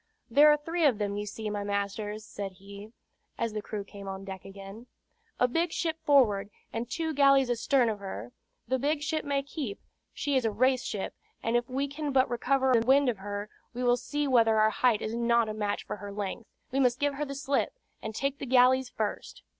"There are three of them, you see, my masters," said he, as the crew came on deck again. "A big ship forward, and two galleys astern of her. The big ship may keep; she is a race ship, and if we can but recover the wind of her, we will see whether our height is not a match for her length. We must give her the slip, and take the galleys first."